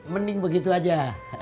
mending begitu aja